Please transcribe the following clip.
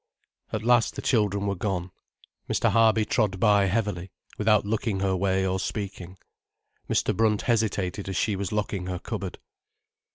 At last the children were gone. Mr. Harby trod by heavily, without looking her way, or speaking. Mr. Brunt hesitated as she was locking her cupboard.